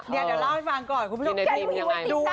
เดี๋ยวเล่าให้ฟังก่อนคุณผู้ชมดู